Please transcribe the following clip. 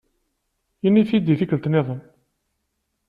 Ini-t-id i tikkelt-nniḍen.